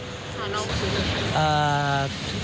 คุณคุณค่ะ